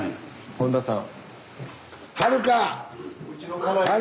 本田さん。